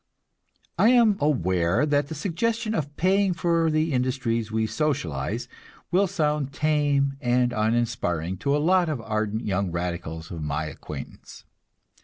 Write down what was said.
I am aware that the suggestion of paying for the industries we socialize will sound tame and uninspiring to a lot of ardent young radicals of my acquaintance.